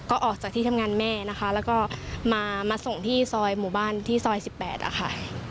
ก็ออกจากที่ทำงานแม่นะคะแล้วก็มาส่งที่ซอยหมู่บ้านที่ซอย๑๘อะค่ะ